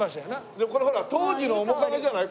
でもこれほら当時の面影じゃない？